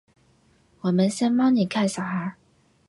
我们先帮妳看小孩